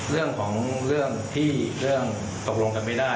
เรื่องของเรื่องที่เรื่องตกลงกันไม่ได้